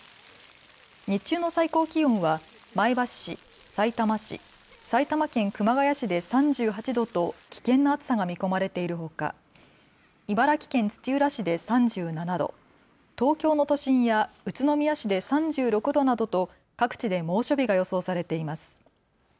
日中の最高気温は前橋市、さいたま市、埼玉県熊谷市で３８度と危険な暑さが見込まれているほか茨城県土浦市で３７度、東京の都心や宇都宮市で３６度などと各地で猛暑日が予想されています。